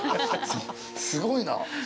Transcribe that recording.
すごいなぁ。